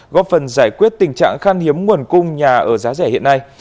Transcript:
góp phần giải quyết tình trạng khan hiếm nguồn cung nhà ở giá rẻ hiện nay